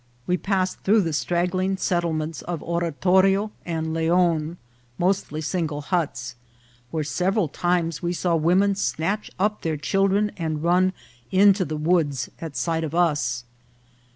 We pass ed through the straggling settlements of Oratorio and Leon, mostly single huts, where several times we saw women snatch up their children and run into the woods at sight of us.